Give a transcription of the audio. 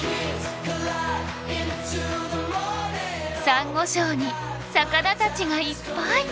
サンゴ礁に魚たちがいっぱい！